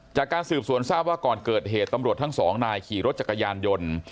จากการสืบสวนทราบว่าก่อนเกิดเหตุตำรวจทั้งสองนายขี่รถจักรยานยนต์